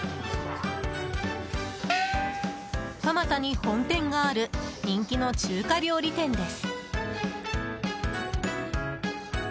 蒲田に本店がある人気の中華料理店です。